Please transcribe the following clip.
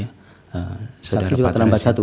saksi juga terlambat satu